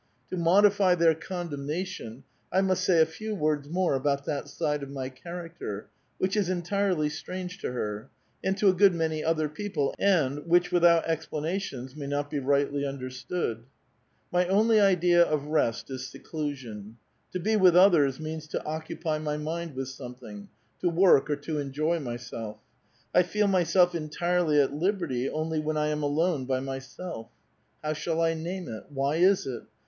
To mod if}' their condemnation, I must say a few words more about that side of my character, which is entirely strange to her, and to a good many other people, and, which without expla nations, may not be rightly understood. '* My only idea of rest is seclusion. To be with others means to occupy m>' mind with something, — to work or to enjoy myself. I feel myself entirely at libert}^ only when I am alone by m3'self. How shall I name it? Why is it?